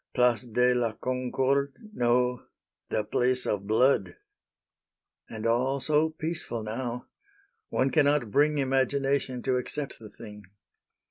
... Place de la Concorde no, the Place of Blood! And all so peaceful now! One cannot bring Imagination to accept the thing.